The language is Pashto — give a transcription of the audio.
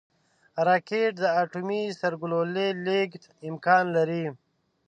راکټ د اټومي سرګلولې لیږد امکان لري